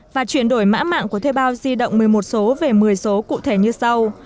và chuyển đổi mã mạng của thuê bao di động một mươi một số về một mươi số cụ thể như sau